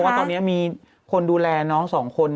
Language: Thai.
ว่าตอนนี้มีคนดูแลน้องสองคน